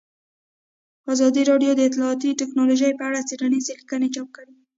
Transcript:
ازادي راډیو د اطلاعاتی تکنالوژي په اړه څېړنیزې لیکنې چاپ کړي.